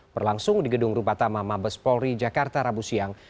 berlangsung di gedung rupatama mabes polri jakarta rabu siang